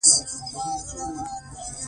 پنېر د زړو خلکو لپاره ښه خواړه ګڼل کېږي.